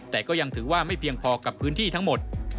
แต่ก็ยังถือว่าไม่เพียงพอกับพื้นที่ทั้งหมด